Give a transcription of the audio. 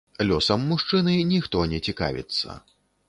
Лёсам мужчыны ніхто не цікавіцца.